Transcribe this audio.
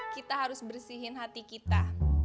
kita harus bersihin hati kita